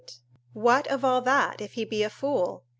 ] what of all that, if he be a fool?